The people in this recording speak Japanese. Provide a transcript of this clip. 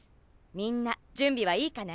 みんな準備はいいかな？